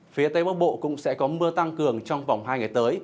phía tây bắc bộ cũng sẽ có mưa tăng cường trong vòng hai ngày tới